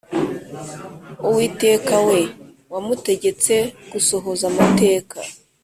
uwiteka we, wamutegetse gusohoza amateka,